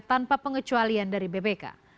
tanpa pengecualian dari bpk